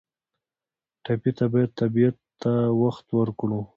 ټپي ته باید طبیعت ته وخت ورکړو.